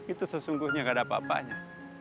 itu sesungguhnya gak ada apa apanya